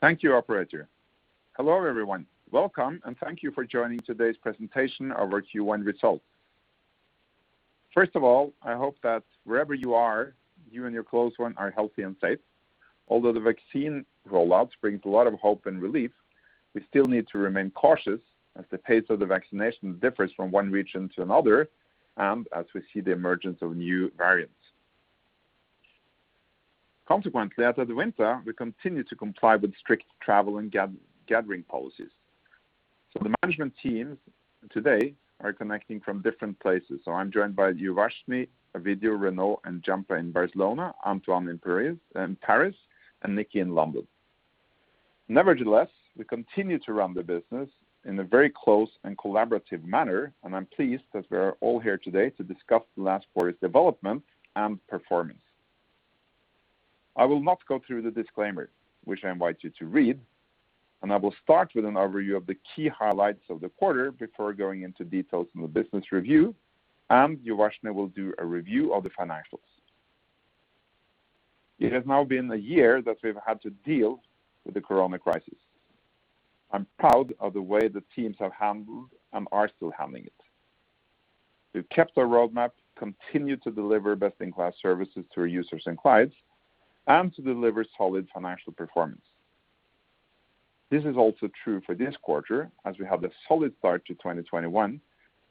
Thank you, operator. Hello everyone. Welcome, and thank you for joining today's presentation of our Q1 results. First of all, I hope that wherever you are, you and your close ones are healthy and safe. Although the vaccine rollout brings a lot of hope and relief, we still need to remain cautious as the pace of the vaccination differs from one region to another, and as we see the emergence of new variants. Consequently, as of the winter, we continue to comply with strict travel and gathering policies. The management team today are connecting from different places. I'm joined by Uvashni, Vidya, Renaud, and Gianpa in Barcelona, Antoine in Paris, and Nicki in London. Nevertheless, we continue to run the business in a very close and collaborative manner, and I'm pleased that we are all here today to discuss the last quarter's development and performance. I will not go through the disclaimer, which I invite you to read. I will start with an overview of the key highlights of the quarter before going into details in the business review. Uvashni will do a review of the financials. It has now been a year that we've had to deal with the corona crisis. I'm proud of the way the teams have handled and are still handling it. We've kept our roadmap, continued to deliver best-in-class services to our users and clients, and to deliver solid financial performance. This is also true for this quarter, as we have a solid start to 2021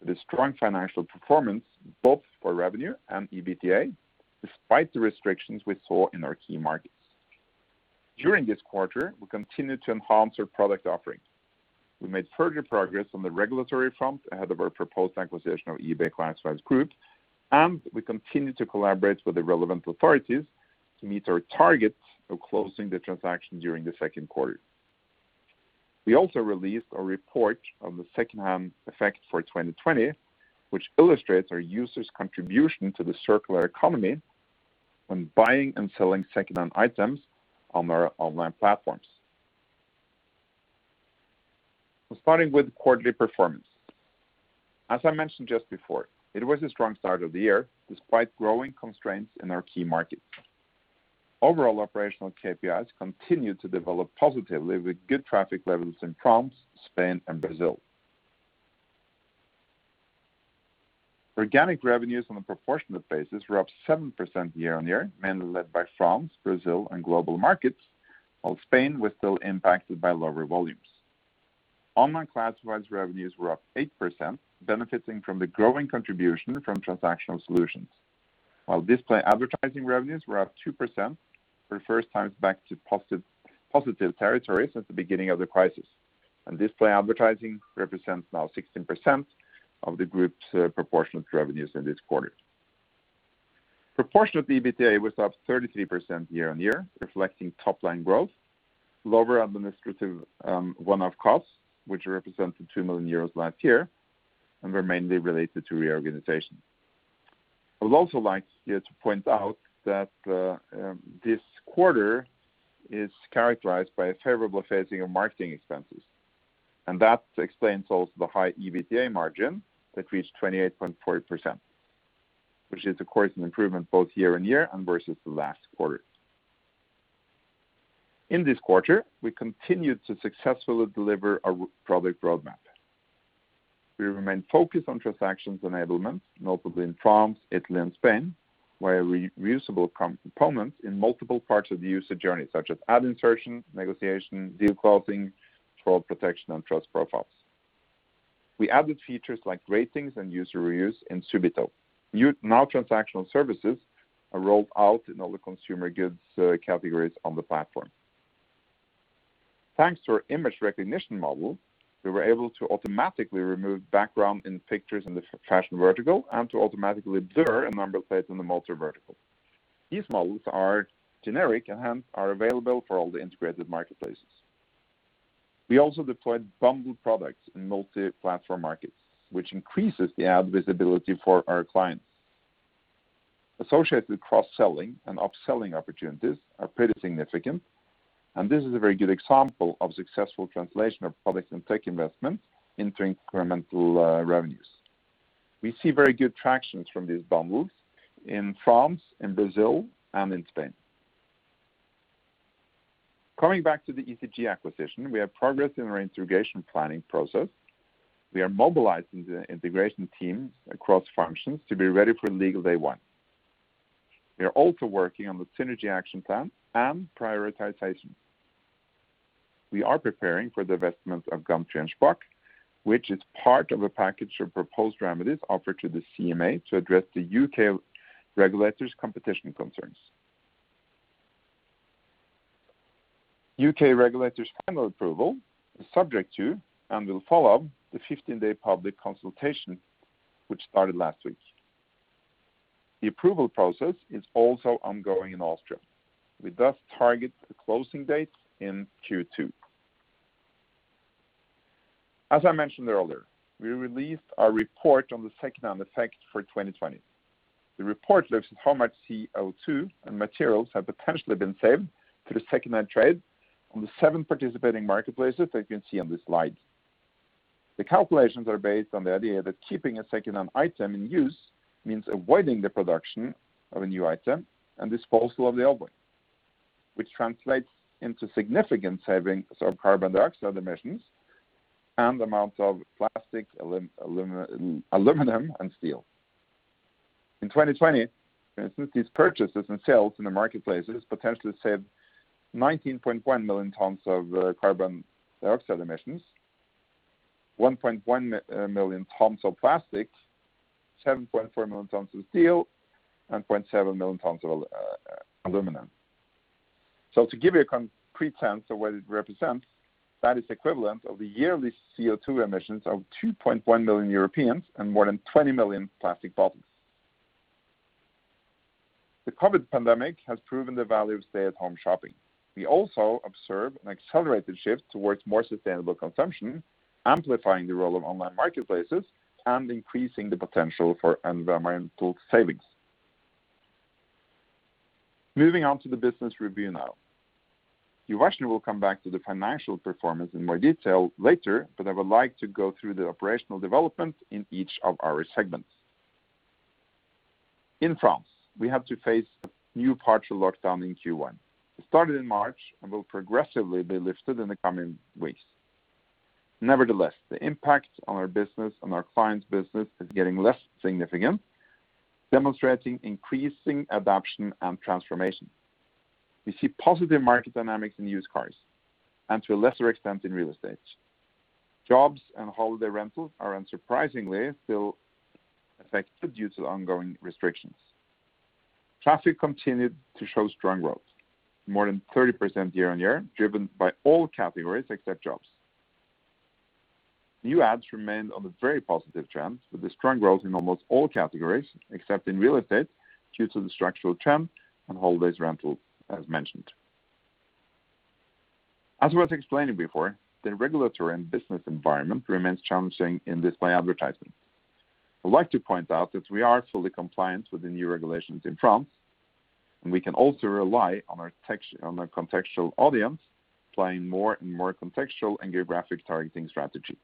with a strong financial performance both for revenue and EBITDA, despite the restrictions we saw in our key markets. During this quarter, we continued to enhance our product offerings. We made further progress on the regulatory front ahead of our proposed acquisition of eBay Classifieds Group. We continued to collaborate with the relevant authorities to meet our target of closing the transaction during the second quarter. We also released a report on the secondhand effect for 2020, which illustrates our users' contribution to the circular economy when buying and selling secondhand items on our online platforms. Starting with quarterly performance. As I mentioned just before, it was a strong start of the year despite growing constraints in our key markets. Overall operational KPIs continued to develop positively with good traffic levels in France, Spain, and Brazil. Organic revenues on a proportionate basis were up 7% year-on-year, mainly led by France, Brazil, and global markets, while Spain was still impacted by lower volumes. Online classifieds revenues were up 8%, benefiting from the growing contribution from transactional solutions, while display advertising revenues were up 2%, for the first time back to positive territory since the beginning of the crisis. Display advertising represents now 16% of the group's proportionate revenues in this quarter. Proportionate EBITDA was up 33% year-on-year, reflecting top-line growth, lower administrative one-off costs, which represented 2 million euros last year and were mainly related to reorganization. I would also like here to point out that this quarter is characterized by a favorable phasing of marketing expenses, and that explains also the high EBITDA margin that reached 28.4%, which is of course an improvement both year-on-year and versus the last quarter. In this quarter, we continued to successfully deliver our product roadmap. We remain focused on transactions enablement, notably in France, Italy, and Spain, where reusable components in multiple parts of the user journey, such as ad insertion, negotiation, deal closing, fraud protection, and trust profiles. We added features like ratings and user reviews in Subito. New now transactional services are rolled out in all the consumer goods categories on the platform. Thanks to our image recognition model, we were able to automatically remove background in pictures in the fashion vertical and to automatically blur a number of plates in the multi-vertical. These models are generic and hence are available for all the integrated marketplaces. We also deployed bundled products in multi-platform markets, which increases the ad visibility for our clients. Associated cross-selling and upselling opportunities are pretty significant. This is a very good example of successful translation of products and tech investments into incremental revenues. We see very good traction from these bundles in France, in Brazil, and in Spain. Coming back to the eCG acquisition, we have progress in our integration planning process. We are mobilizing the integration teams across functions to be ready for legal day one. We are also working on the synergy action plan and prioritization. We are preparing for the divestment of Gumtree and Shpock, which is part of a package of proposed remedies offered to the CMA to address the U.K. regulators' competition concerns. U.K. regulators' final approval is subject to, and will follow, the 15-day public consultation which started last week. The approval process is also ongoing in Austria. We thus target the closing date in Q2. As I mentioned earlier, we released our report on the secondhand effect for 2020. The report looks at how much CO2 and materials have potentially been saved through the secondhand trade on the seven participating marketplaces that you can see on this slide. The calculations are based on the idea that keeping a second-hand item in use means avoiding the production of a new item and disposal of the old one, which translates into significant savings of carbon dioxide emissions and amounts of plastic, aluminum, and steel. In 2020, these purchases and sales in the marketplaces potentially saved 19.1 million tons of carbon dioxide emissions, 1.1 million tons of plastic, 7.4 million tons of steel, and 0.7 million tons of aluminum. To give you a concrete sense of what it represents, that is equivalent of the yearly CO2 emissions of 2.1 million Europeans and more than 20 million plastic bottles. The COVID pandemic has proven the value of stay-at-home shopping. We also observe an accelerated shift towards more sustainable consumption, amplifying the role of online marketplaces and increasing the potential for environmental savings. Moving on to the business review now. Uvashni will come back to the financial performance in more detail later, but I would like to go through the operational development in each of our segments. In France, we have to face a new partial lockdown in Q1. It started in March and will progressively be lifted in the coming weeks. Nevertheless, the impact on our business and our clients' business is getting less significant, demonstrating increasing adaption and transformation. We see positive market dynamics in used cars, and to a lesser extent, in real estate. Jobs and holiday rentals are unsurprisingly still affected due to ongoing restrictions. Traffic continued to show strong growth, more than 30% year-on-year, driven by all categories except jobs. New ads remained on a very positive trend, with a strong growth in almost all categories, except in real estate due to the structural trend on holidays rental, as mentioned. As was explained before, the regulatory and business environment remains challenging in display advertising. I'd like to point out that we are fully compliant with the new regulations in France, and we can also rely on our contextual audience applying more and more contextual and geographic targeting strategy.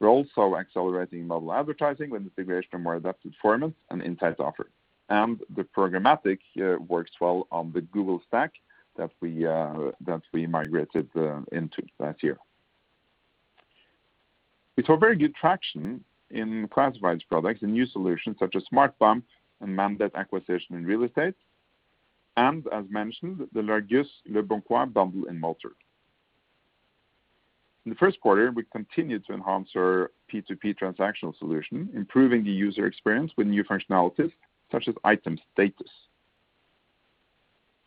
We're also accelerating mobile advertising with integration of more adapted formats and in-app offer. The programmatic works well on the Google Stack that we migrated into last year. We saw very good traction in classified products and new solutions such as Smart Bump and Mandate acquisition in real estate, and as mentioned, the largest Leboncoin bundle in motor. In the first quarter, we continued to enhance our P2P transactional solution, improving the user experience with new functionalities such as item status.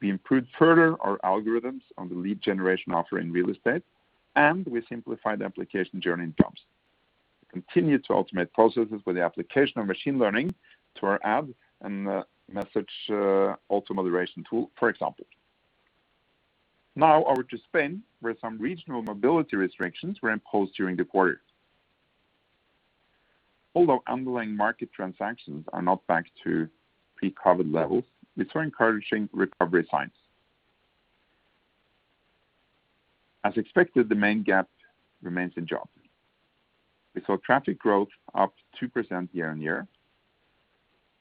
We improved further our algorithms on the lead generation offer in real estate, and we simplified the application journey in jobs. We continued to automate processes with the application of machine learning to our ad and message auto-moderation tool, for example. Now over to Spain, where some regional mobility restrictions were imposed during the quarter. Although underlying market transactions are not back to pre-COVID levels, we saw encouraging recovery signs. As expected, the main gap remains in jobs. We saw traffic growth up 2% year-on-year,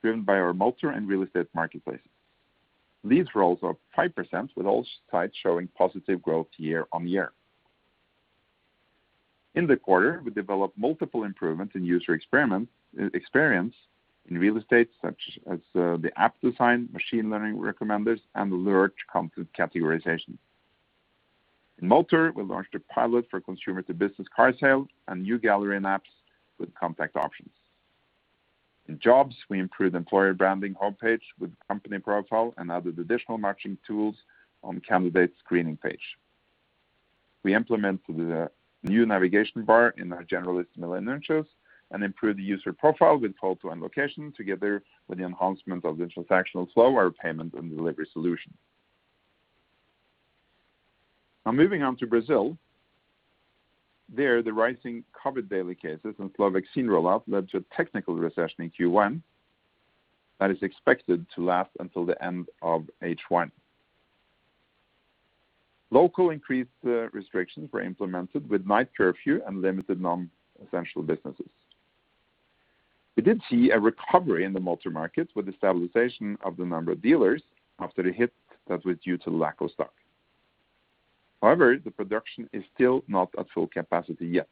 driven by our motor and real estate marketplaces. Leads rose up 5% with all sides showing positive growth year-on-year. In the quarter, we developed multiple improvements in user experience in real estate, such as the app design, machine learning recommenders, and large content categorization. In motor, we launched a pilot for consumer-to-business car sales and new gallery and apps with compact options. In jobs, we improved employer branding homepage with company profile and added additional matching tools on candidate screening page. We implemented a new navigation bar in our generalist Milanuncios and improved the user profile with photo and location, together with the enhancement of the transactional flow of our payment and delivery solution. Now moving on to Brazil. There, the rising COVID daily cases and slow vaccine rollout led to a technical recession in Q1 that is expected to last until the end of H1. Local increased restrictions were implemented with night curfew and limited non-essential businesses. We did see a recovery in the motor markets with the stabilization of the number of dealers after a hit that was due to lack of stock. The production is still not at full capacity yet.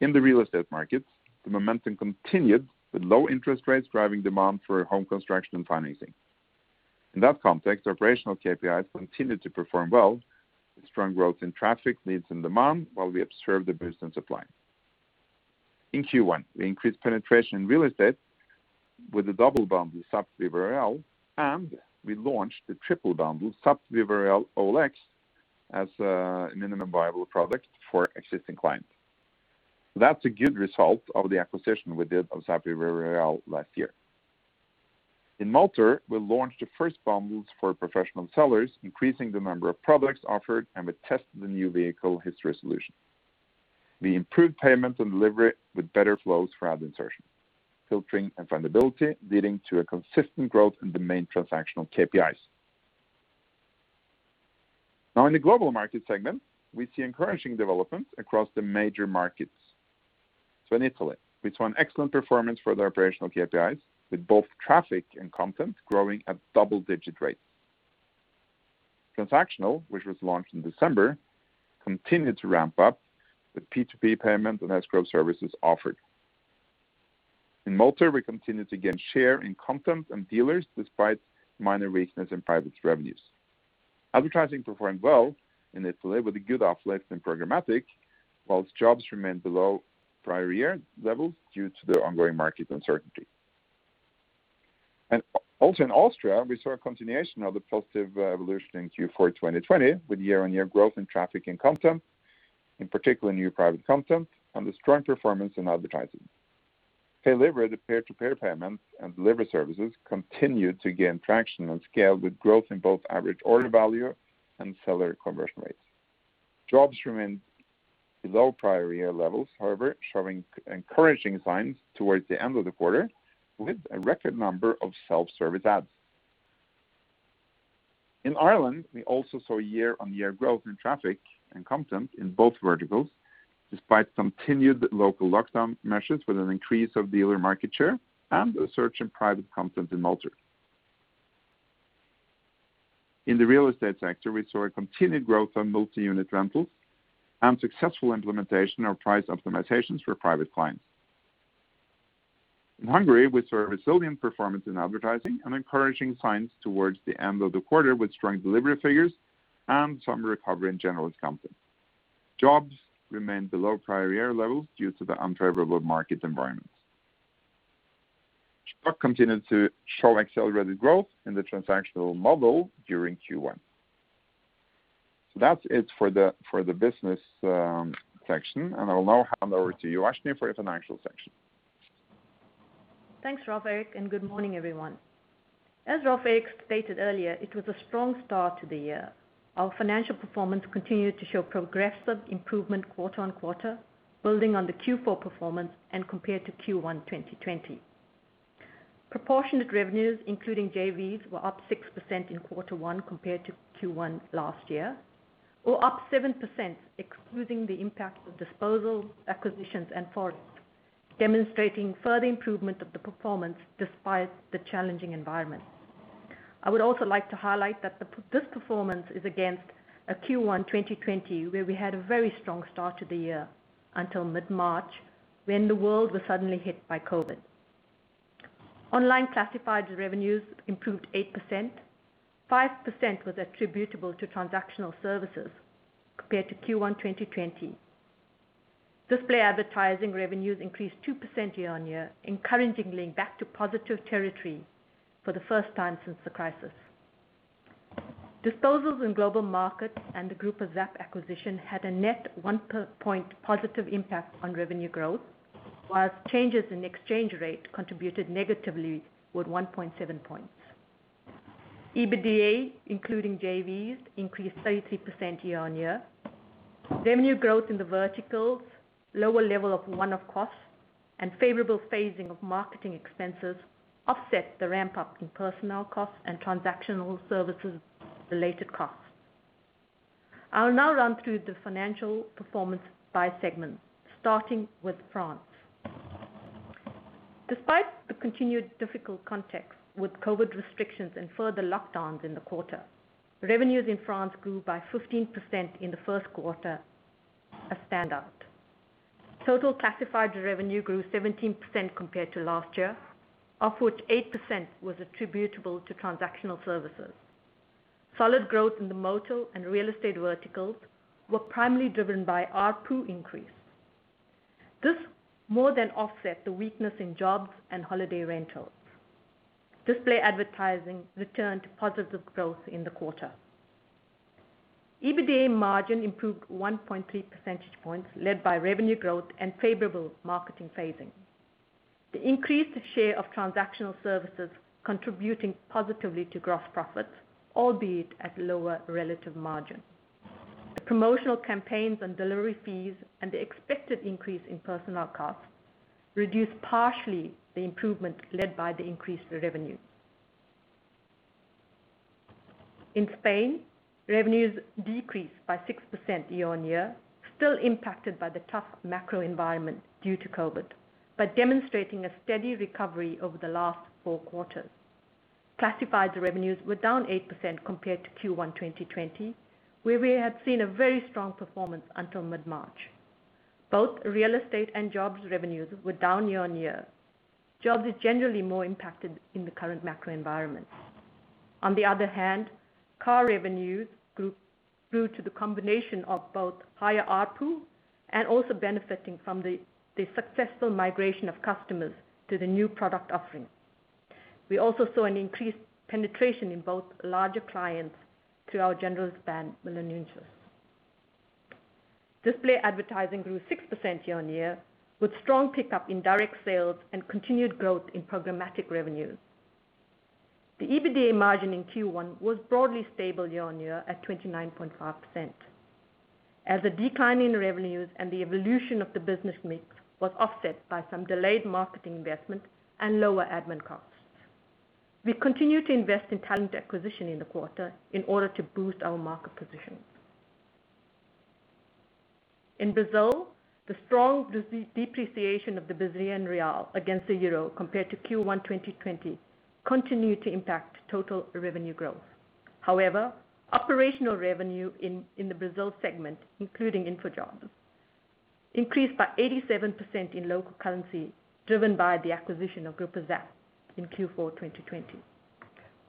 In the real estate markets, the momentum continued with low interest rates driving demand for home construction and financing. In that context, operational KPIs continued to perform well with strong growth in traffic, leads, and demand, while we observed a boost in supply. In Q1, we increased penetration in real estate with a double bundle ZAP/Viva Real, and we launched the triple bundle ZAP/Viva Real/OLX as a minimum viable product for existing clients. That's a good result of the acquisition we did of ZAP/Viva Real last year. In motor, we launched the first bundles for professional sellers, increasing the number of products offered, and we tested the new vehicle history solution. We improved payment and delivery with better flows for ad insertion, filtering, and findability, leading to a consistent growth in the main transactional KPIs. In the global market segment, we see encouraging developments across the major markets. In Italy, we saw an excellent performance for the operational KPIs, with both traffic and content growing at double-digit rates. Transactional, which was launched in December, continued to ramp up with P2P payment and escrow services offered. In motor, we continued to gain share in content and dealers, despite minor weakness in private revenues. Advertising performed well in Italy, with a good uplift in programmatic, whilst jobs remained below prior year levels due to the ongoing market uncertainty. Also in Austria, we saw a continuation of the positive evolution in Q4 2020, with year-on-year growth in traffic and content, in particular new private content, and a strong performance in advertising. Paylivery, the peer-to-peer payments and delivery services, continued to gain traction and scale with growth in both average order value and seller conversion rates. Jobs remained below prior year levels, however, showing encouraging signs towards the end of the quarter, with a record number of self-service ads. In Ireland, we also saw year-on-year growth in traffic and content in both verticals, despite continued local lockdown measures, with an increase of dealer market share and a search in private content in Motor. In the real estate sector, we saw a continued growth on multi-unit rentals and successful implementation of price optimizations for private clients. In Hungary, we saw a resilient performance in advertising and encouraging signs towards the end of the quarter with strong delivery figures and some recovery in generalist content. Jobs remained below prior year levels due to the unfavorable market environment. Truck continued to show accelerated growth in the transactional model during Q1. That's it for the business section, and I'll now hand over to you, Uvashni, for your financial section. Thanks, Rolv Erik. Good morning everyone? As Rolv Erik stated earlier, it was a strong start to the year. Our financial performance continued to show progressive improvement quarter-on-quarter, building on the Q4 performance and compared to Q1 2020. Proportionate revenues, including JVs, were up 6% in Q1 compared to Q1 last year or up 7%, excluding the impact of disposals, acquisitions, and Forex, demonstrating further improvement of the performance despite the challenging environment. I would also like to highlight that this performance is against a Q1 2020, where we had a very strong start to the year until mid-March, when the world was suddenly hit by COVID. Online classified revenues improved 8%. 5% was attributable to transactional services compared to Q1 2020. Display advertising revenues increased 2% year-on-year, encouragingly back to positive territory for the first time since the crisis. Disposals in global markets and the group of ZAP acquisition had a net one point positive impact on revenue growth, while changes in exchange rate contributed negatively with 1.7 points. EBITDA, including JVs, increased 33% year-on-year. Revenue growth in the verticals, lower level of one-off costs, and favorable phasing of marketing expenses offset the ramp-up in personnel costs and transactional services related costs. I'll now run through the financial performance by segment, starting with France. Despite the continued difficult context with COVID restrictions and further lockdowns in the quarter, revenues in France grew by 15% in the first quarter. A standout. Total classified revenue grew 17% compared to last year, of which 8% was attributable to transactional services. Solid growth in the motor and real estate verticals were primarily driven by ARPU increase. This more than offset the weakness in jobs and holiday rentals. Display advertising returned to positive growth in the quarter. EBITDA margin improved 1.3 percentage points, led by revenue growth and favorable marketing phasing. The increased share of transactional services contributing positively to gross profits, albeit at lower relative margin. The promotional campaigns on delivery fees and the expected increase in personnel costs reduced partially the improvement led by the increased revenue. In Spain, revenues decreased by 6% year-on-year, still impacted by the tough macro environment due to COVID, but demonstrating a steady recovery over the last four quarters. Classified revenues were down 8% compared to Q1 2020, where we had seen a very strong performance until mid-March. Both real estate and jobs revenues were down year-on-year. Jobs is generally more impacted in the current macro environment. Car revenues grew due to the combination of both higher ARPU and also benefiting from the successful migration of customers to the new product offering. We also saw an increased penetration in both larger clients through our generalist platform with influencers. Display advertising grew 6% year-on-year, with strong pickup in direct sales and continued growth in programmatic revenues. The EBITDA margin in Q1 was broadly stable year-on-year at 29.5%, as the decline in revenues and the evolution of the business mix was offset by some delayed marketing investments and lower admin costs. We continued to invest in talent acquisition in the quarter in order to boost our market position. In Brazil, the strong depreciation of the Brazilian real against the Euro compared to Q1 2020 continued to impact total revenue growth. However, operational revenue in the Brazil segment, including InfoJobs, increased by 87% in local currency, driven by the acquisition of Grupo ZAP in Q4 2020.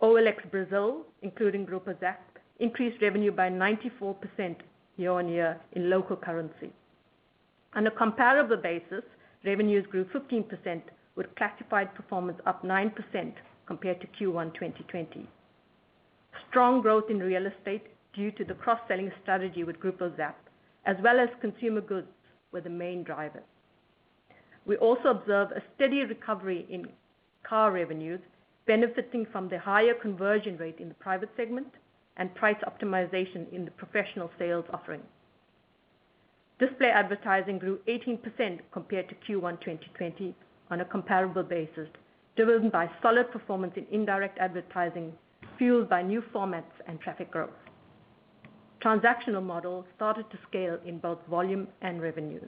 OLX Brazil, including Grupo ZAP, increased revenue by 94% year-over-year in local currency. On a comparable basis, revenues grew 15%, with classified performance up 9% compared to Q1 2020. Strong growth in real estate due to the cross-selling strategy with Grupo ZAP, as well as consumer goods, were the main drivers. We also observed a steady recovery in car revenues, benefiting from the higher conversion rate in the private segment and price optimization in the professional sales offering. Display advertising grew 18% compared to Q1 2020 on a comparable basis, driven by solid performance in indirect advertising, fueled by new formats and traffic growth. Transactional models started to scale in both volume and revenue.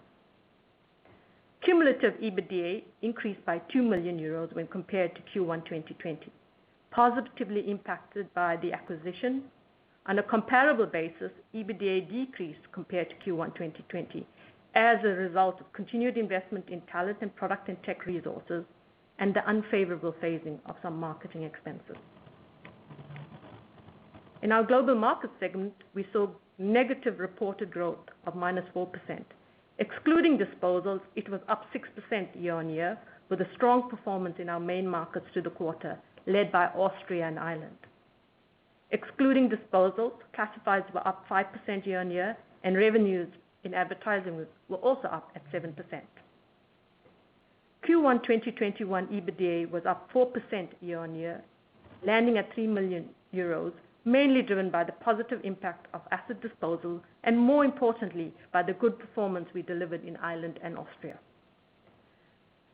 Cumulative EBITDA increased by 2 million euros when compared to Q1 2020, positively impacted by the acquisition. On a comparable basis, EBITDA decreased compared to Q1 2020 as a result of continued investment in talent and product and tech resources and the unfavorable phasing of some marketing expenses. In our global market segment, we saw negative reported growth of -4%. Excluding disposals, it was up 6% year-on-year, with a strong performance in our main markets through the quarter, led by Austria and Ireland. Excluding disposals, classifieds were up 5% year-on-year, and revenues in advertising were also up at 7%. Q1 2021 EBITDA was up 4% year-on-year, landing at 3 million euros, mainly driven by the positive impact of asset disposals and, more importantly, by the good performance we delivered in Ireland and Austria.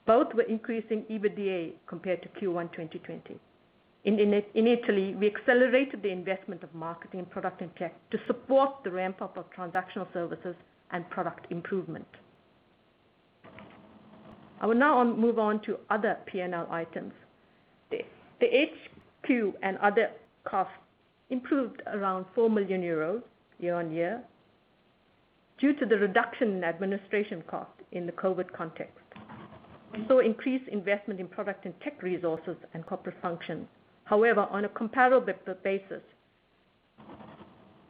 Both were increasing EBITDA compared to Q1 2020. In Italy, we accelerated the investment of marketing, product, and tech to support the ramp-up of transactional services and product improvement. I will now move on to other P&L items. The HQ and other costs improved around 4 million euros year-on-year due to the reduction in administration costs in the COVID context. We saw increased investment in product and tech resources and corporate functions. However, on a comparable basis,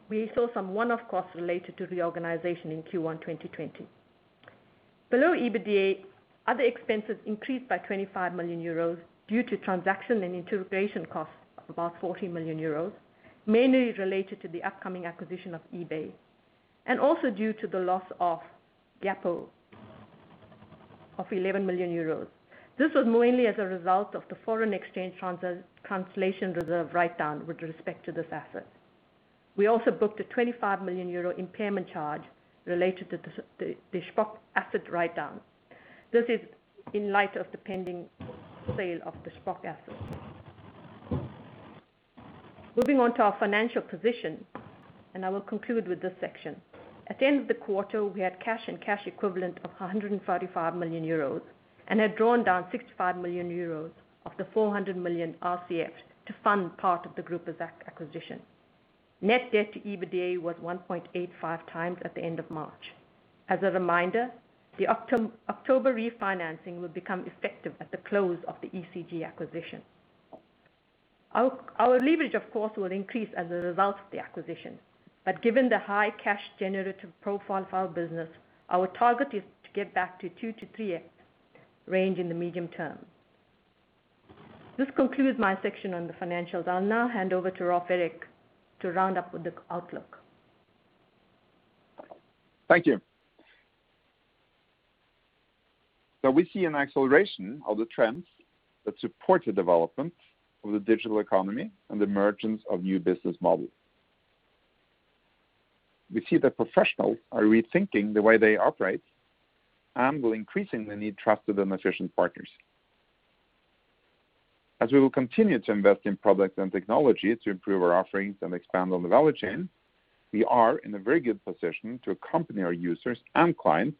we saw some one-off costs related to reorganization in Q1 2020. Below EBITDA, other expenses increased by 25 million euros due to transaction and integration costs of about 40 million euros, mainly related to the upcoming acquisition of eBay, and also due to the loss of Yapo of 11 million euros. This was mainly as a result of the foreign exchange translation reserve write-down with respect to this asset. We also booked a 25 million euro impairment charge related to the Shpock asset write-down. This is in light of the pending sale of the Shpock asset. Moving on to our financial position. I will conclude with this section. At the end of the quarter, we had cash and cash equivalent of 145 million euros and had drawn down 65 million euros of the 400 million RCF to fund part of the Grupo ZAP acquisition. Net debt to EBITDA was 1.85x at the end of March. As a reminder, the October refinancing will become effective at the close of the eCG acquisition. Our leverage, of course, will increase as a result of the acquisition. Given the high cash generative profile of our business, our target is to get back to 2x-3x range in the medium term. This concludes my section on the financials. I'll now hand over to Rolv Erik to round up with the outlook. Thank you. We see an acceleration of the trends that support the development of the digital economy and the emergence of new business models. We see that professionals are rethinking the way they operate and will increasingly need trusted and efficient partners. As we will continue to invest in product and technology to improve our offerings and expand on the value chain, we are in a very good position to accompany our users and clients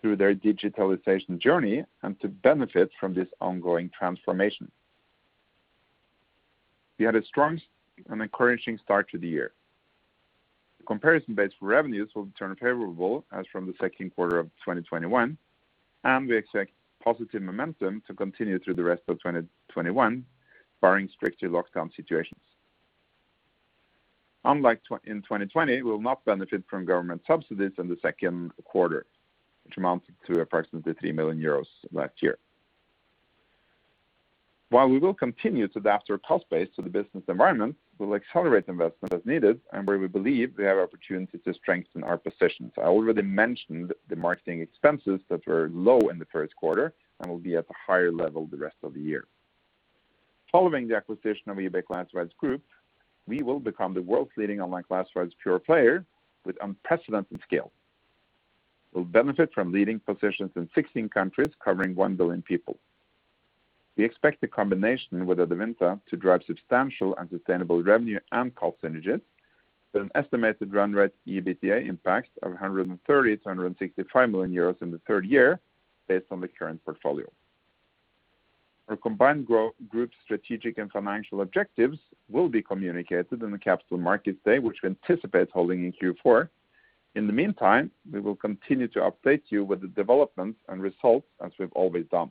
through their digitalization journey and to benefit from this ongoing transformation. We had a strong and encouraging start to the year. The comparison base for revenues will turn favorable as from the second quarter of 2021, and we expect positive momentum to continue through the rest of 2021, barring stricter lockdown situations. Unlike in 2020, we will not benefit from government subsidies in the second quarter, which amounted to approximately 3 million euros last year. While we will continue to adapt our cost base to the business environment, we'll accelerate investment as needed and where we believe we have opportunities to strengthen our positions. I already mentioned the marketing expenses that were low in the first quarter and will be at a higher level the rest of the year. Following the acquisition of eBay Classifieds Group, we will become the world's leading online classifieds pure player with unprecedented scale. We'll benefit from leading positions in 16 countries, covering one billion people. We expect the combination with Adevinta to drive substantial and sustainable revenue and cost synergies with an estimated run rate EBITDA impact of 130 million-165 million euros in the third year based on the current portfolio. Our combined group strategic and financial objectives will be communicated in the Capital Markets Day, which we anticipate holding in Q4. In the meantime, we will continue to update you with the developments and results as we've always done.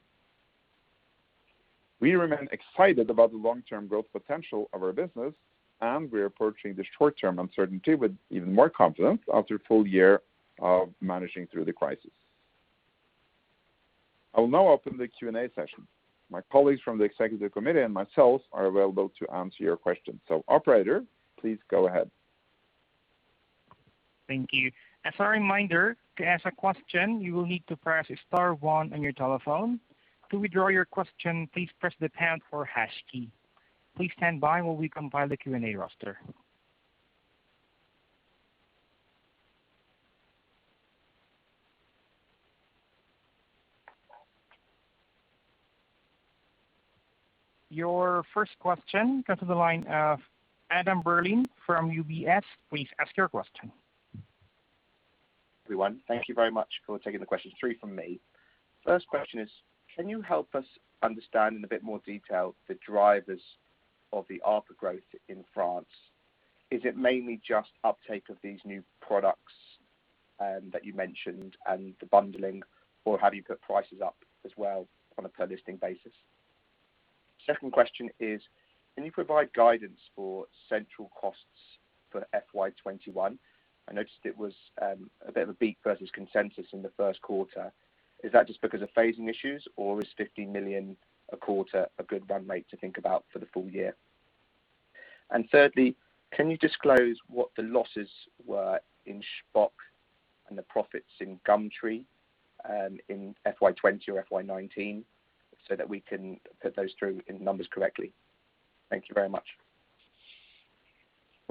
We remain excited about the long-term growth potential of our business, and we are approaching the short-term uncertainty with even more confidence after a full year of managing through the crisis. I will now open the Q&A session. My colleagues from the executive committee and myself are available to answer your questions. Operator, please go ahead. Thank you. As a reminder, to ask a question, you will need to press star one on your telephone. To withdraw your question, please press the pound or hash key. Please stand by while we compile the Q&A roster. Your first question comes on the line of Adam Berlin from UBS, please ask your question. Everyone, thank you very much for taking the questions. Three from me. First question is, can you help us understand in a bit more detail the drivers of the ARPU growth in France? Is it mainly just uptake of these new products that you mentioned and the bundling, or have you put prices up as well on a per listing basis? Second question is, can you provide guidance for central costs for FY 2021? I noticed it was a bit of a beat versus consensus in the first quarter. Is that just because of phasing issues, or is 15 million a quarter a good run rate to think about for the full year? Thirdly, can you disclose what the losses were in Shpock and the profits in Gumtree, in FY 2020 or FY 2019 so that we can put those through in numbers correctly? Thank you very much.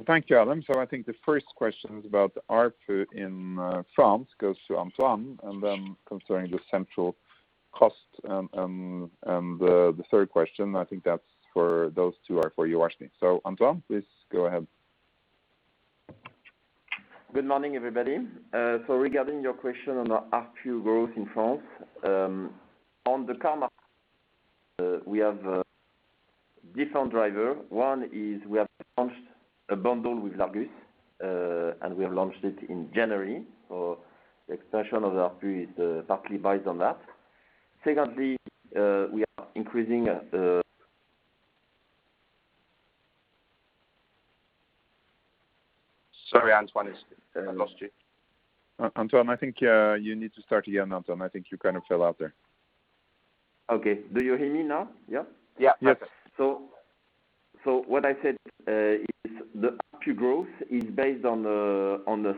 Thank you, Adam. I think the first question is about the ARPU in France, goes to Antoine, and then concerning the central cost and the third question, I think those two are for you, Uvashni. Antoine, please go ahead. Good morning, everybody. Regarding your question on our ARPU growth in France, on the car market, we have a different driver. One is we have launched a bundle with L'Argus, and we have launched it in January. The expansion of ARPU is partly based on that. Secondly, we are increasing. Sorry, Antoine. I lost you. Antoine, I think you need to start again, Antoine. I think you kind of fell out there. Okay. Do you hear me now? Yeah? Yeah. Yes. What I said is the ARPU growth is based on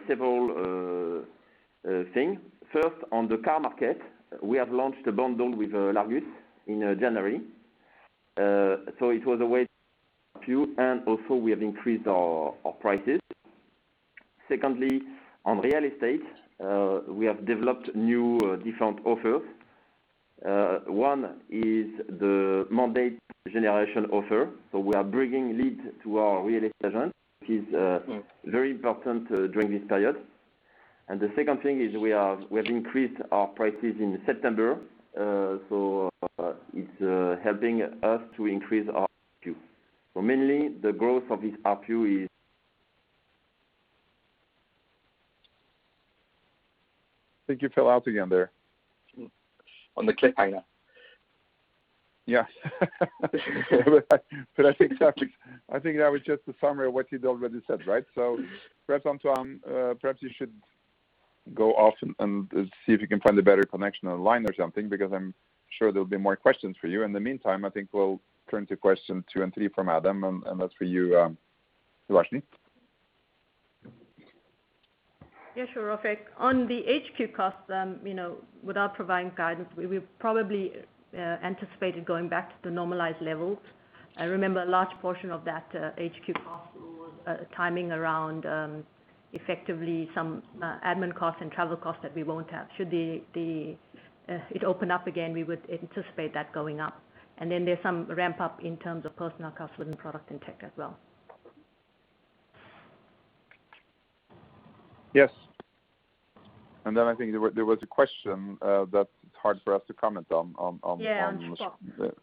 several things. First, on the car market, we have launched a bundle with L'Argus in January. It was a way to increase ARPU, and also we have increased our prices. Secondly, on real estate, we have developed new different offers. One is the mandate generation offer. We are bringing leads to our real estate agent, which is very important during this period. The second thing is we have increased our prices in September. It's helping us to increase our ARPU. Mainly, the growth of this ARPU is. I think you fell out again there. On the clear line now. Yeah. I think that was just a summary of what you'd already said, right? Perhaps, Antoine, perhaps you should go off and see if you can find a better connection online or something, because I'm sure there'll be more questions for you. In the meantime, I think we'll turn to question two and three from Adam, and that's for you, Uvashni. Yeah, sure, Rolv. On the HQ costs, without providing guidance, we probably anticipated going back to the normalized levels. Remember, a large portion of that HQ cost was timing around effectively some admin costs and travel costs that we won't have. Should it open up again, we would anticipate that going up. There's some ramp-up in terms of personnel costs within product and tech as well. Yes. I think there was a question that it's hard for us to comment on. Yeah, on Shpock.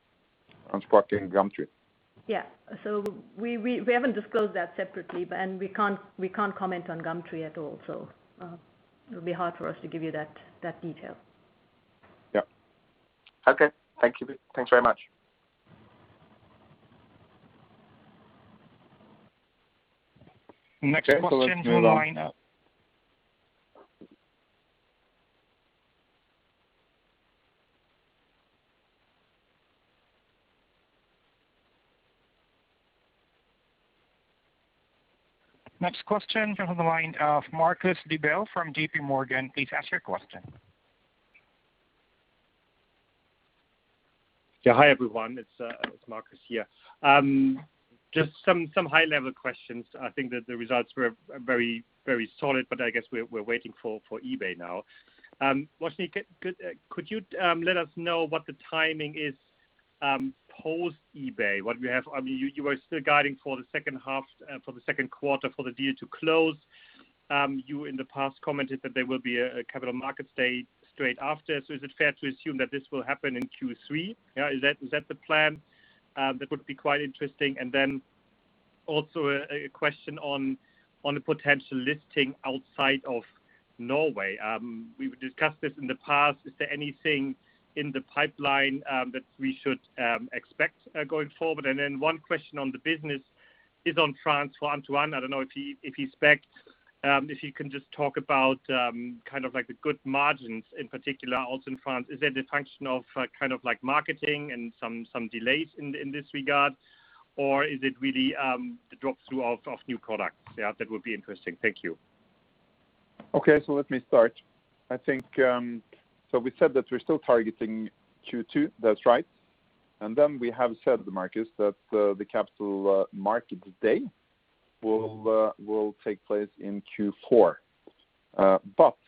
On Shpock and Gumtree. Yeah. We haven't disclosed that separately, and we can't comment on Gumtree at all. It would be hard for us to give you that detail. Yep. Okay. Thank you both. Thanks very much. Next question comes on the line of Marcus Diebel from JPMorgan, please ask your question. Yeah. Hi, everyone. It's Marcus here. Just some high-level questions. I think that the results were very solid. I guess we're waiting for eBay now. Uvashni Raman, could you let us know what the timing is post eBay? You are still guiding for the second quarter for the deal to close. You in the past commented that there will be a Capital Markets Day straight after. Is it fair to assume that this will happen in Q3? Is that the plan? That would be quite interesting. Also a question on the potential listing outside of Norway. We've discussed this in the past. Is there anything in the pipeline that we should expect going forward? One question on the business is on France for Antoine. I don't know if he's back. If he can just talk about the good margins in particular, also in France. Is that a function of marketing and some delays in this regard? Or is it really the drop through of new products? Yeah, that would be interesting. Thank you. Okay, let me start. We said that we're still targeting Q2. That's right. We have said, Marcus, that the Capital Markets Day will take place in Q4.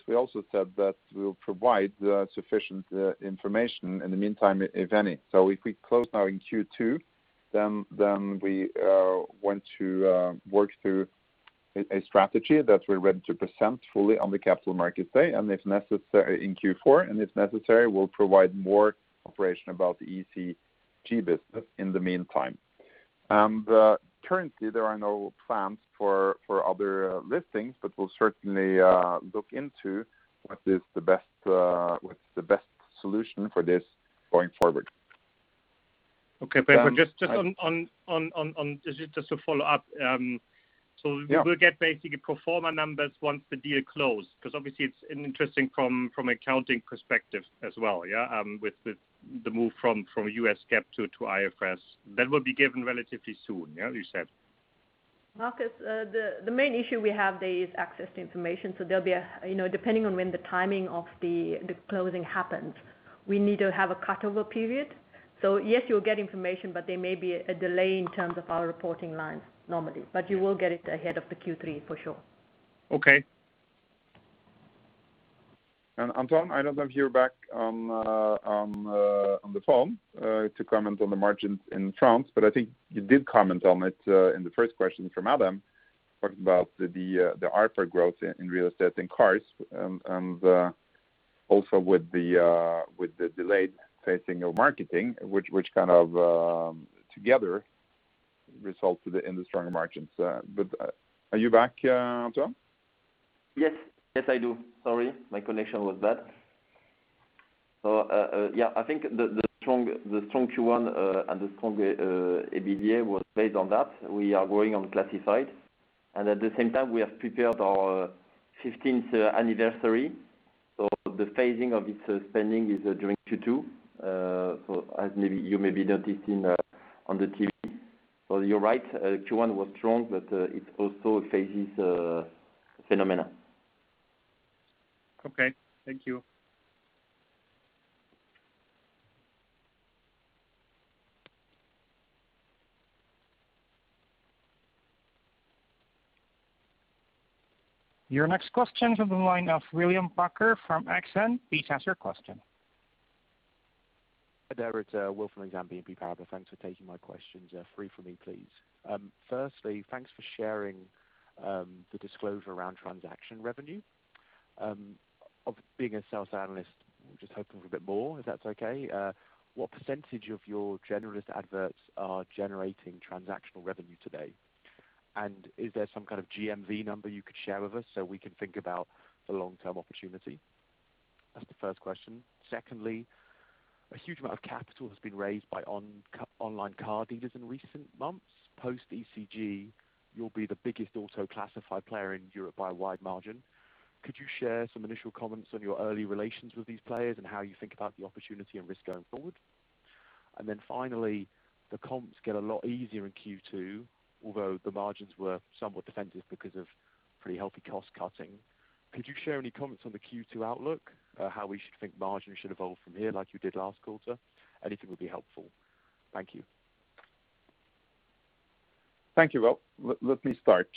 We also said that we'll provide sufficient information in the meantime, if any. If we close now in Q2, we want to work through a strategy that we're ready to present fully on the Capital Markets Day in Q4. If necessary, we'll provide more information about the eCG business in the meantime. Currently, there are no plans for other listings, we'll certainly look into what's the best solution for this going forward. Okay. Just to follow up. Yeah. We'll get basically pro forma numbers once the deal close, because obviously it's interesting from a accounting perspective as well, yeah? With the move from US GAAP to IFRS. That will be given relatively soon, yeah, you said? Marcus, the main issue we have there is access to information. Depending on when the timing of the closing happens, we need to have a cut-over period. Yes, you'll get information, but there may be a delay in terms of our reporting lines normally. You will get it ahead of the Q3 for sure. Okay. Antoine, I don't know if you're back on the phone to comment on the margins in France, I think you did comment on it in the first question from Adam, talking about the ARPA growth in real estate and cars, and also with the delayed phasing of marketing, which kind of together results in the stronger margins. Are you back, Antoine? Yes. Yes, I do. Sorry, my connection was bad. Yeah, I think the strong Q1 and the strong EBITDA was based on that. We are growing on classified. At the same time, we have prepared our 15th anniversary. The phasing of its spending is during Q2. As you may be noticing on the TV. You're right, Q1 was strong, but it also phases phenomena. Okay. Thank you. Your next question from the line of William Packer from Exane, please ask your question. Hi there? It's Will from Exane BNP Paribas. Thanks for taking my questions. Three for me, please. Firstly, thanks for sharing the disclosure around transaction revenue. Of being a sales analyst, just hoping for a bit more, if that's okay. What percentage of your generalist adverts are generating transactional revenue today? Is there some kind of GMV number you could share with us so we can think about the long-term opportunity? That's the first question. Secondly, a huge amount of capital has been raised by online car dealers in recent months. Post eCG, you'll be the biggest auto classified player in Europe by a wide margin. Could you share some initial comments on your early relations with these players and how you think about the opportunity and risk going forward? Finally, the comps get a lot easier in Q2, although the margins were somewhat defensive because of pretty healthy cost-cutting. Could you share any comments on the Q2 outlook, how we should think margins should evolve from here like you did last quarter? Anything would be helpful. Thank you. Thank you, Will. Let me start.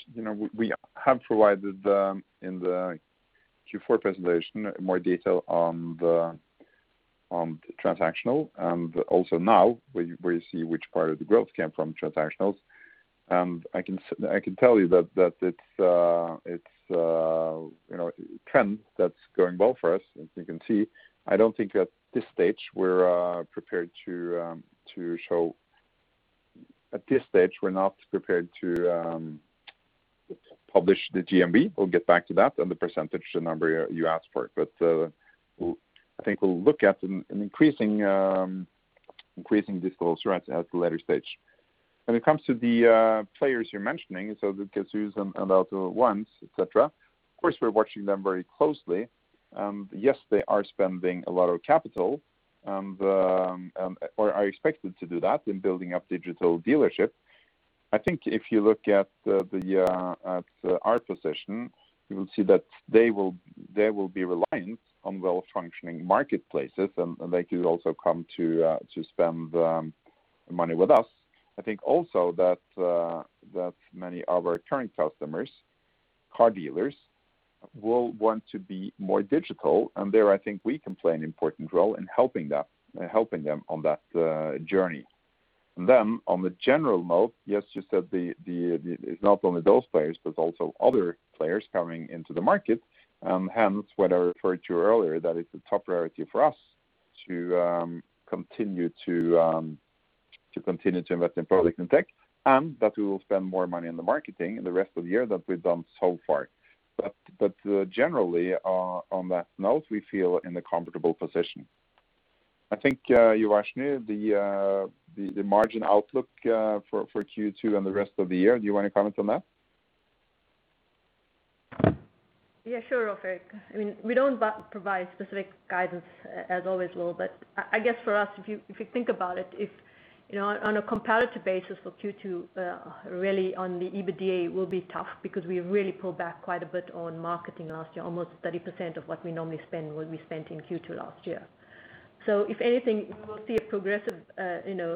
We have provided in the Q4 presentation more detail on the transactional, also now where you see which part of the growth came from transactionals. I can tell you that it's a trend that's going well for us, as you can see. I don't think at this stage we're prepared to publish the GMV. We'll get back to that on the percentage, the number you asked for. I think we'll look at an increasing disclosure at the later stage. When it comes to the players you're mentioning, the Cazoo and the AUTO1, et cetera. Of course, we're watching them very closely. Yes, they are spending a lot of capital, or are expected to do that in building up digital dealership. I think if you look at our position, you will see that they will be reliant on well-functioning marketplaces, and they could also come to spend money with us. I think also that many of our current customers, car dealers, will want to be more digital. There, I think we can play an important role in helping them on that journey. On the general note, yes, you said it's not only those players, but also other players coming into the market, hence what I referred to earlier, that it's a top priority for us to continue to invest in product and tech, and that we will spend more money in the marketing in the rest of the year than we've done so far. Generally, on that note, we feel in a comfortable position. I think, Uvashni, the margin outlook for Q2 and the rest of the year, do you want to comment on that? Yeah, sure, Rolv Erik. We don't provide specific guidance, as always, Will. I guess for us, if you think about it, on a comparative basis for Q2, really on the EBITDA will be tough, because we really pulled back quite a bit on marketing last year. Almost 30% of what we normally spend, what we spent in Q2 last year. If anything, we will see a progressive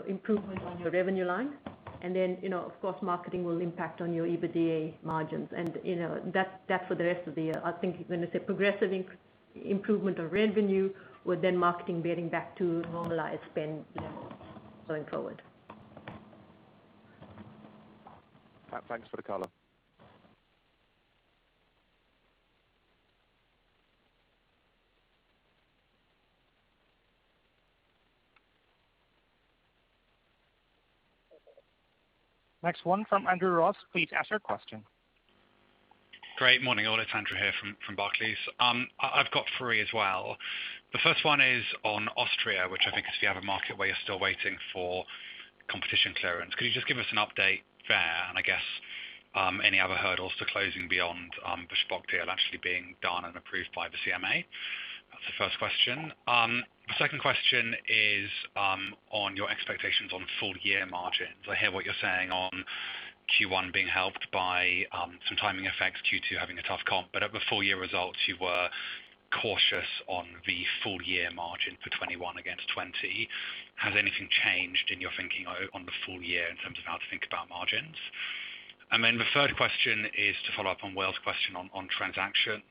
improvement on your revenue line, of course, marketing will impact on your EBITDA margins, and that's for the rest of the year. I think when I say progressive improvement of revenue, with then marketing being back to normalized spend going forward. Thanks for the color. Next one from Andrew Ross, please ask your question. Great morning, all. It's Andrew Ross here from Barclays. I've got three as well. The first one is on Austria, which I think is the other market where you're still waiting for competition clearance. Could you just give us an update there? I guess any other hurdles to closing beyond the Shpock deal actually being done and approved by the CMA? That's the first question. The second question is on your expectations on full-year margins. I hear what you're saying on Q1 being helped by some timing effects, Q2 having a tough comp. At the full-year results, you were cautious on the full-year margin for 2021 against 2020. Has anything changed in your thinking on the full-year in terms of how to think about margins? The third question is to follow up on William Packer's question on transactions.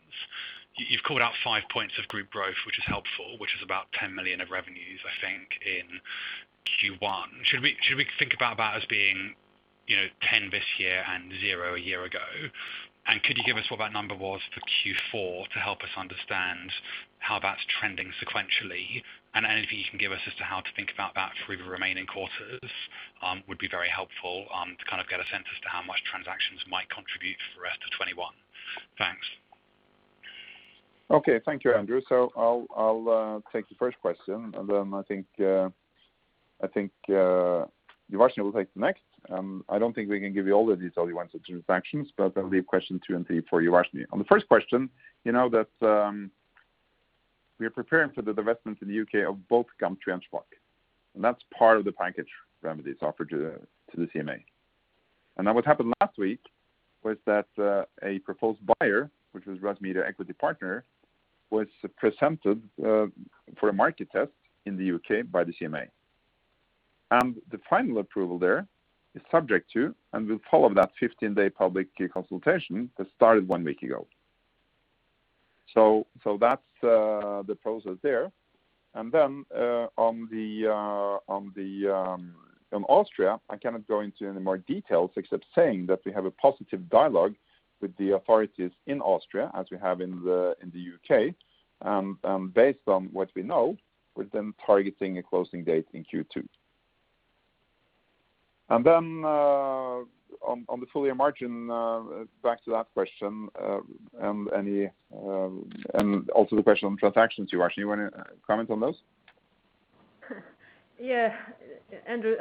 You've called out five points of group growth, which is helpful, which is about 10 million of revenues, I think, in Q1. Should we think about that as being 10 this year and zero a year ago? Could you give us what that number was for Q4 to help us understand how that's trending sequentially? Anything you can give us as to how to think about that for the remaining quarters would be very helpful to kind of get a sense as to how much transactions might contribute for the rest of 2021. Thanks. Okay. Thank you, Andrew. I'll take the first question, and then I think Uvashni will take the next. I don't think we can give you all the details you want on transactions, but that will be question two and three for Uvashni. On the first question, you know that we are preparing for the divestments in the U.K. of both Gumtree and Shpock. That's part of the package remedies offered to the CMA. What happened last week was that a proposed buyer, which was Russmedia Equity Partners, was presented for a market test in the U.K. by the CMA. The final approval there is subject to, and will follow that 15-day public consultation that started one week ago. That's the process there. On Austria, I cannot go into any more details except saying that we have a positive dialogue with the authorities in Austria, as we have in the U.K. Based on what we know, with them targeting a closing date in Q2. On the full year margin, back to that question, and also the question on transactions, Uvashni, you want to comment on those? Yeah. Andrew,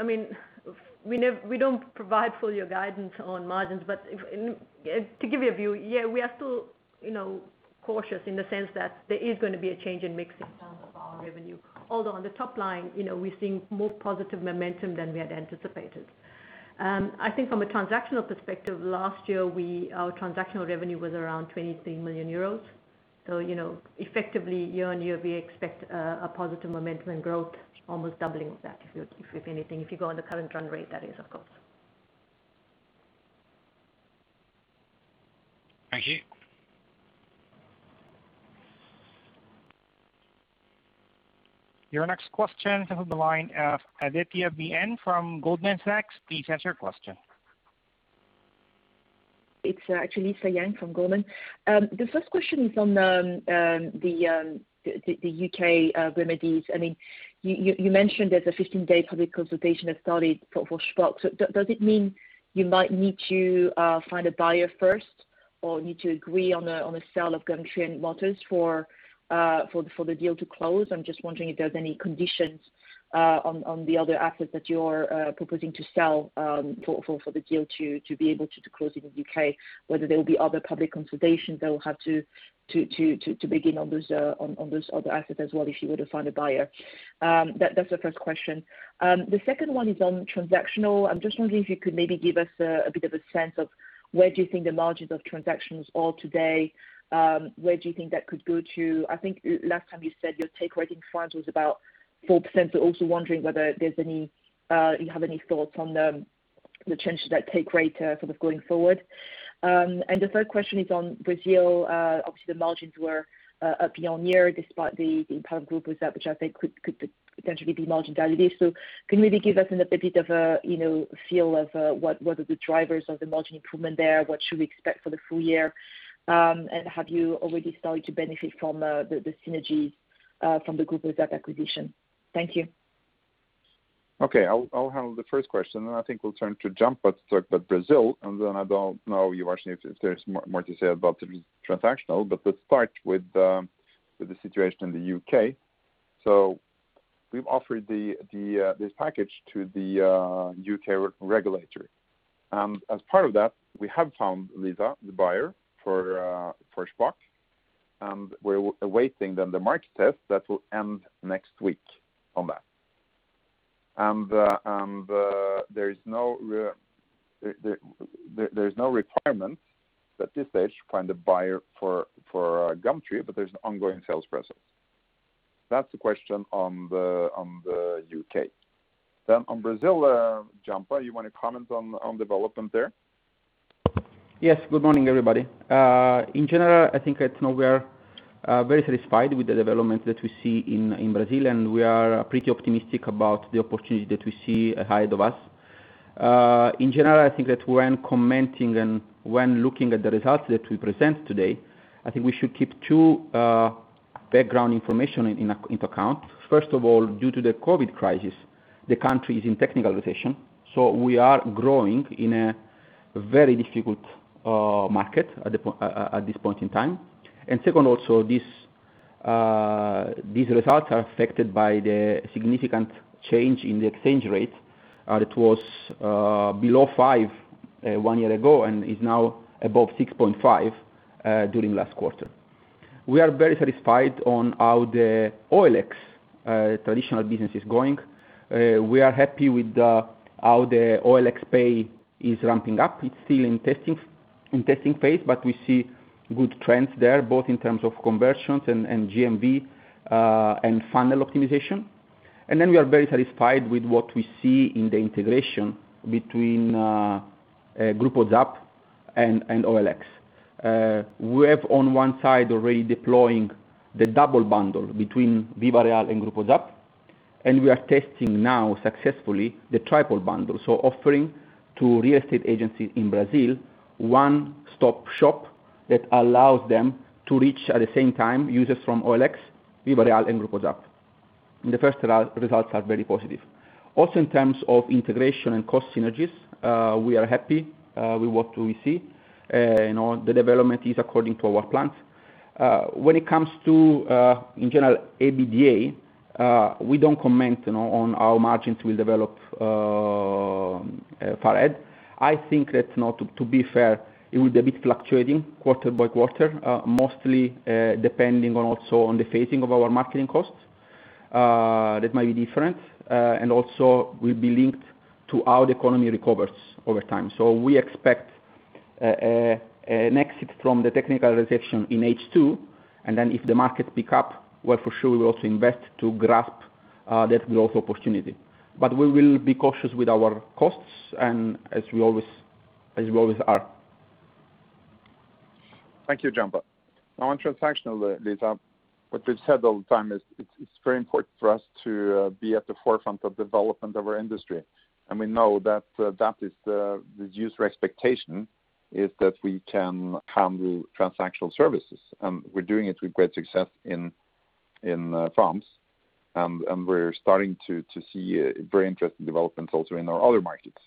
we don't provide full year guidance on margins. To give you a view, we are still cautious in the sense that there is going to be a change in mix in terms of our revenue. On the top line, we're seeing more positive momentum than we had anticipated. I think from a transactional perspective, last year, our transactional revenue was around 23 million euros. Effectively year-on-year, we expect a positive momentum and growth, almost doubling of that, if anything. If you go on the current run rate, that is, of course. Thank you. Your next question is on the line. [Adepeye Bien] from Goldman Sachs, please ask your question. It's actually Lisa Yang from Goldman. The first question is on the U.K. remedies. You mentioned there's a 15-day public consultation that started for Shpock. Does it mean you might need to find a buyer first? Or need to agree on the sale of Gumtree and Motors.co.uk for the deal to close. I'm just wondering if there's any conditions on the other assets that you're proposing to sell for the deal to be able to close in the U.K., whether there will be other public consultations that will have to begin on those other assets as well if you were to find a buyer. That's the first question. The second one is on transactional. I'm just wondering if you could maybe give us a bit of a sense of where do you think the margins of transactions are today? Where do you think that could go to? I think last time you said your take rate in France was about 4%. Wondering whether you have any thoughts on the change to that take rate going forward. The third question is on Brazil. Obviously, the margins were up year-on-year despite the ZAP Grupo which I think could potentially be margin dilutive. Can you maybe give us a bit of a feel of what are the drivers of the margin improvement there? What should we expect for the full year? Have you already started to benefit from the synergies from the Grupo ZAP acquisition? Thank you. I'll handle the first question. I think we'll turn to Gianpa to talk about Brazil. I don't know, Uvashni, if there's more to say about the transactional. Let's start with the situation in the U.K. We've offered this package to the U.K. regulator. As part of that, we have found, Lisa, the buyer for Shpock. We're awaiting then the market test that will end next week on that. There is no requirement at this stage to find a buyer for Gumtree, but there's an ongoing sales process. That's the question on the U.K. On Brazil, Gianpa, you want to comment on development there? Yes. Good morning, everybody. In general, I think at now we are very satisfied with the development that we see in Brazil, and we are pretty optimistic about the opportunity that we see ahead of us. In general, I think that when commenting and when looking at the results that we present today, I think we should keep two background information into account. First of all, due to the COVID crisis, the country is in technical recession. We are growing in a very difficult market at this point in time. Second, also, these results are affected by the significant change in the exchange rate that was below five one year ago and is now above 6.5 during last quarter. We are very satisfied on how the OLX traditional business is going. We are happy with how the OLX Pay is ramping up. It's still in testing phase, but we see good trends there, both in terms of conversions and GMV, and funnel optimization. We are very satisfied with what we see in the integration between Grupo ZAP and OLX. We have, on one side, already deploying the double bundle between Viva Real and Grupo ZAP, and we are testing now successfully the triple bundle. Offering to real estate agencies in Brazil a one-stop shop that allows them to reach, at the same time, users from OLX, Viva Real, and Grupo ZAP. The first results are very positive. Also, in terms of integration and cost synergies, we are happy with what we see. The development is according to our plans. When it comes to, in general, EBITDA, we don't comment on how our margins will develop far ahead. I think that, to be fair, it will be a bit fluctuating quarter by quarter, mostly depending also on the phasing of our marketing costs. That might be different. Also will be linked to how the economy recovers over time. We expect an exit from the technical recession in H2, and then if the market picks up, well, for sure, we will also invest to grasp that growth opportunity. We will be cautious with our costs, and as we always are. Thank you, Gianpa. Now on transactional, Lisa, what we've said all the time is it's very important for us to be at the forefront of development of our industry. We know that user expectation is that we can handle transactional services. We're doing it with great success in France, and we're starting to see very interesting developments also in our other markets.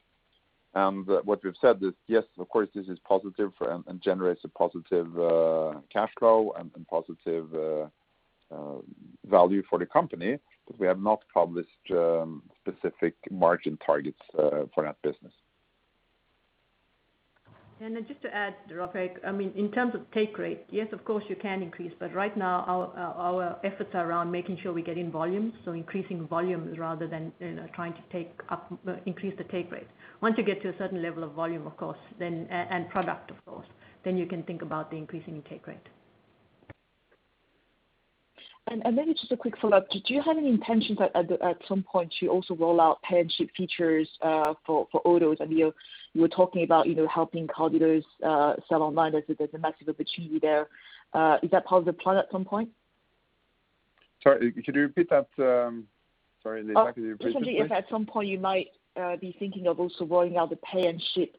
What we've said is, yes, of course, this is positive and generates a positive cash flow and positive value for the company, but we have not published specific margin targets for that business. Just to add, Rolv, in terms of take rate, yes, of course, you can increase, but right now our efforts are around making sure we get in volume, so increasing volumes rather than trying to increase the take rate. Once you get to a certain level of volume, of course, and product, of course, then you can think about the increase in take rate. Maybe just a quick follow-up. Do you have any intentions at some point to also roll out pay and ship features for autos? You were talking about helping car dealers sell online as there's a massive opportunity there. Is that part of the plan at some point? Sorry, could you repeat that? Sorry, Lisa, could you repeat that, please? Just simply if at some point you might be thinking of also rolling out the pay and ship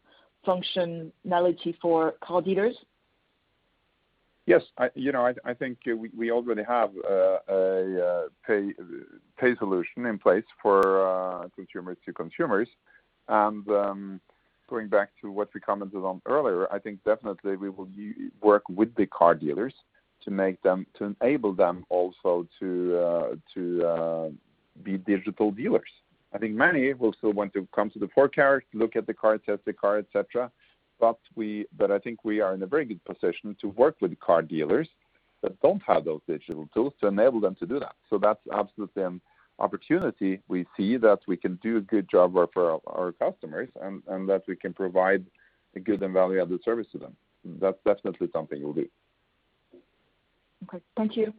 functionality for car dealers. Yes. I think we already have a pay solution in place for consumers to consumers. Going back to what we commented on earlier, I think definitely we will work with the car dealers to enable them also to be digital dealers. I think many will still want to come to the forecourt, look at the car, test the car, et cetera. I think we are in a very good position to work with car dealers that don't have those digital tools to enable them to do that. That's absolutely an opportunity we see that we can do a good job for our customers, and that we can provide a good and valuable service to them. That's definitely something we'll do. Okay. Thank you.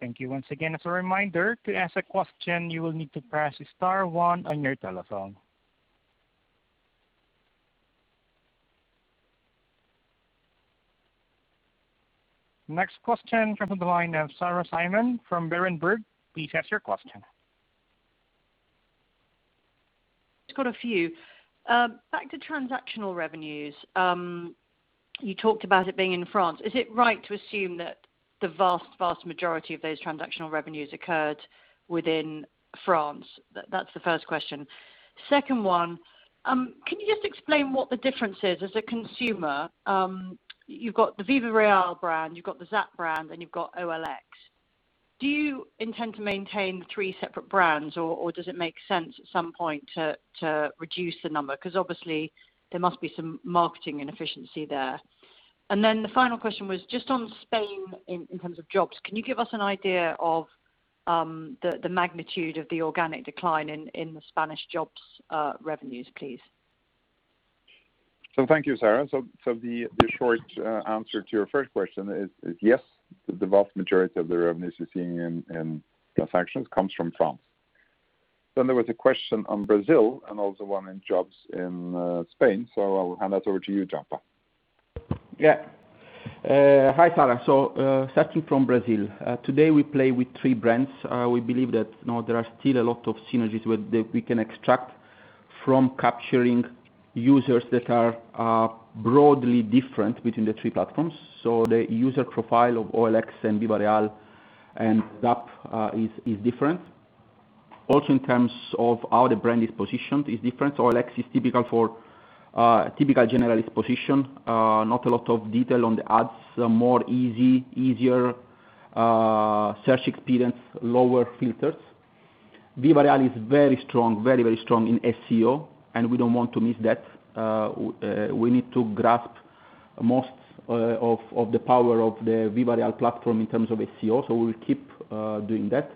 Thank you once again. As a reminder, to ask a question, you will need to press star one on your telephone. Question comes on the line of Sarah Simon from Berenberg, please ask your question. Just got a few. Back to transactional revenues. You talked about it being in France. Is it right to assume that the vast majority of those transactional revenues occurred within France? That's the first question. Second one, can you just explain what the difference is as a consumer? You've got the Viva Real brand, you've got the ZAP brand, and you've got OLX. Do you intend to maintain the three separate brands, or does it make sense at some point to reduce the number? Obviously there must be some marketing inefficiency there. The final question was just on Spain in terms of jobs. Can you give us an idea of the magnitude of the organic decline in the Spanish jobs revenues, please? Thank you, Sarah. The short answer to your first question is yes. The vast majority of the revenues you're seeing in transactions comes from France. There was a question on Brazil and also one in jobs in Spain. I will hand that over to you, Gianpa. Yeah. Hi, Sarah. Starting from Brazil. Today we play with three brands. We believe that there are still a lot of synergies that we can extract from capturing users that are broadly different between the three platforms. The user profile of OLX and Viva Real and ZAP is different. Also in terms of how the brand is positioned is different. OLX is typical generalist position, not a lot of detail on the ads, more easy, easier search experience, lower filters. Viva Real is very strong in SEO, and we don't want to miss that. We need to grasp most of the power of the Viva Real platform in terms of SEO. We will keep doing that.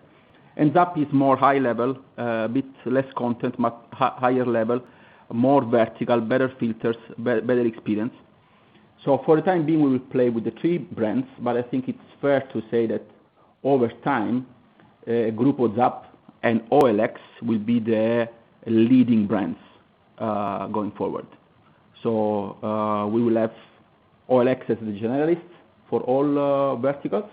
ZAP is more high level, a bit less content, much higher level, more vertical, better filters, better experience. For the time being, we will play with the three brands. I think it's fair to say that over time, Grupo ZAP and OLX will be the leading brands going forward. We will have OLX as the generalist for all verticals,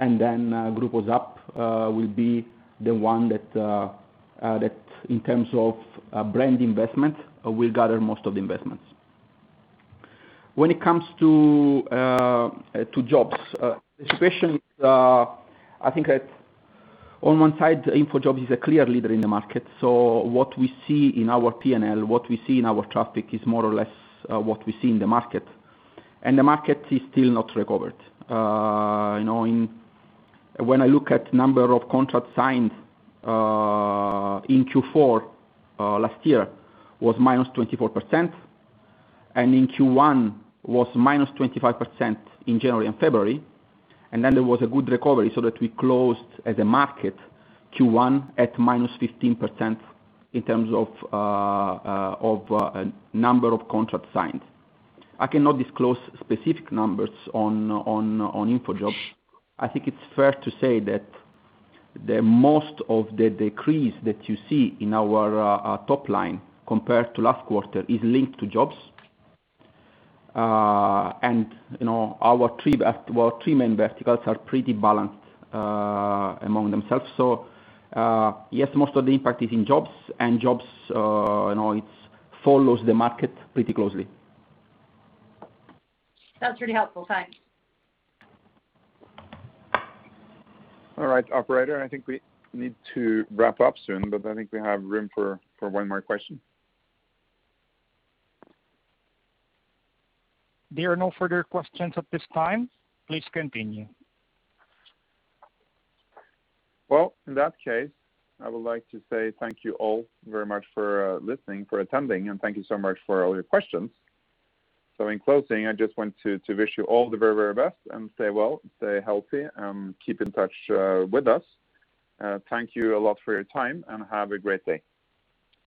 and then Grupo ZAP will be the one that in terms of brand investment, will gather most of the investments. When it comes to jobs, the situation is, I think on one side, InfoJobs is a clear leader in the market. What we see in our P&L, what we see in our traffic is more or less what we see in the market. The market is still not recovered. When I look at number of contracts signed in Q4 last year was -24%, and in Q1 was -25% in January and February. Then there was a good recovery so that we closed as a market Q1 at -15% in terms of number of contracts signed. I cannot disclose specific numbers on InfoJobs. I think it is fair to say that most of the decrease that you see in our top line compared to last quarter is linked to jobs. Our three main verticals are pretty balanced among themselves. Yes, most of the impact is in jobs. Jobs follows the market pretty closely. That's really helpful. Thanks. All right, operator. I think we need to wrap up soon, but I think we have room for one more question. There are no further questions at this time. Please continue. In that case, I would like to say thank you all very much for listening, for attending, and thank you so much for all your questions. In closing, I just want to wish you all the very best, and stay well, stay healthy, keep in touch with us. Thank you a lot for your time, and have a great day.